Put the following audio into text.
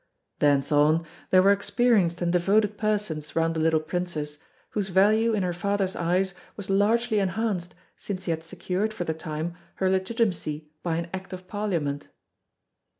Thence on, there were experienced and devoted persons round the little Princess, whose value in her father's eyes was largely enhanced since he had secured, for the time, her legitimacy by an Act of Parliament.